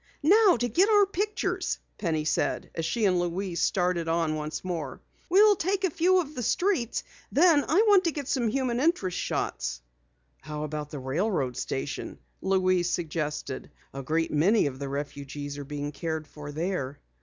"Now to get our pictures," Penny said, as she and Louise started on once more. "We'll take a few of the streets. Then I want to get some human interest shots." "How about the railroad station?" Louise suggested. "A great many of the refugees are being cared for there."